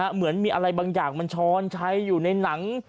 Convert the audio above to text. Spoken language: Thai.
เหมือนมีอะไรบางอย่างมันช้อนใช้อยู่ในหนัง